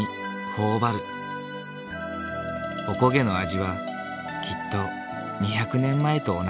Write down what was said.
おこげの味はきっと２００年前と同じ味。